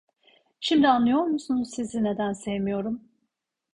Şimdi anlıyor musunuz, sizi neden sevmiyorum.